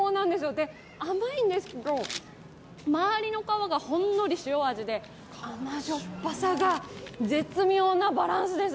で、甘いんですけど周りの皮がほんのり塩味で甘じょっぱさが絶妙なバランスです。